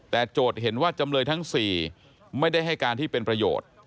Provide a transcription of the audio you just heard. แต่โจทย์เห็นว่าจำเลยทั้ง๔ไม่ได้ให้การที่เป็นประโยชน์